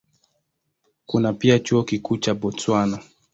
Kuna pia Chuo Kikuu cha Botswana.